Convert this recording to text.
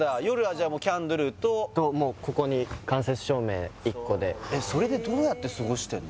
じゃあもうキャンドルともうここに間接照明１個でへえそれでどうやって過ごしてるの？